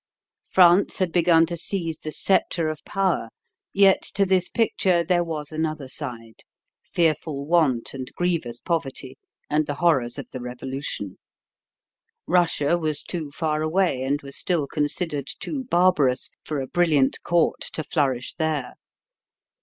France had begun to seize the scepter of power; yet to this picture there was another side fearful want and grievous poverty and the horrors of the Revolution. Russia was too far away, and was still considered too barbarous, for a brilliant court to flourish there.